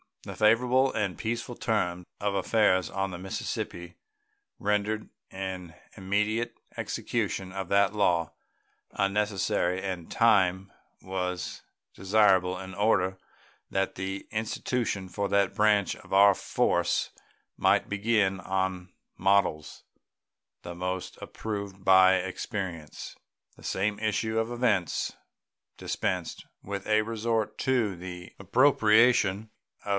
The favorable and peaceable turn of affairs on the Mississippi rendered an immediate execution of that law unnecessary, and time was desirable in order that the institution of that branch of our force might begin on models the most approved by experience. The same issue of events dispensed with a resort to the appropriation of $1.